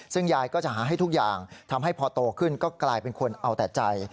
ซึ่งยายก็จะหาให้ทุกอย่างทำให้พอโตขึ้นก็กลายเป็นคนเอาแต่ใจ